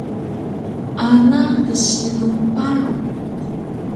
Ana gsilung paru